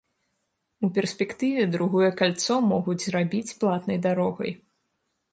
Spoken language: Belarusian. У перспектыве другое кальцо могуць зрабіць платнай дарогай.